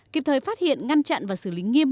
kịp thời phát hiện ngăn chặn và xử lý nghiêm